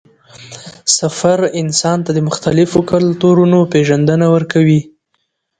سفر انسان ته د مختلفو کلتورونو پېژندنه ورکوي